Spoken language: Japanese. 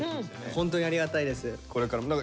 ホントにありがたいです。